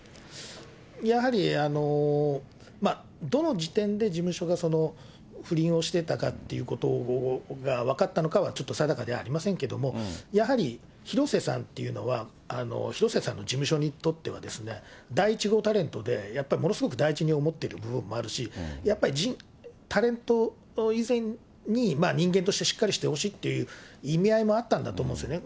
やはり、どの時点で事務所が、不倫をしてたかっていうことが分かったのかはちょっと定かではありませんけど、やはり広末さんっていうのは、広末さんの事務所にとっては、第１号タレントで、やっぱりものすごく大事に思ってる部分もあるし、やっぱりタレントの以前に、人間としてしっかりしてほしいという意味合いもあったんだと思うんですよね。